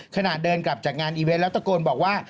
ขณะเดินกลับจากงานอีเวนต์แล้วตะโกนบอกว่า